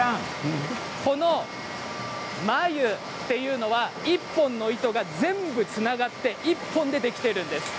この繭というのは１本の糸が全部つながって１本でできているんです。